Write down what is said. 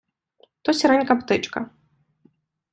То сіренька птичка.